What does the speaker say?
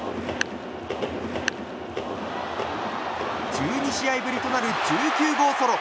１２試合ぶりとなる１９号ソロ。